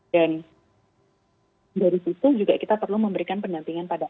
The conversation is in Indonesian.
dan dari situ juga kita perlu memberikan pendampingan pada anak